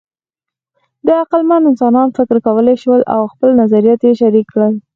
د عقلمن انسانان فکر کولی شول او خپل نظریات یې شریک کړل.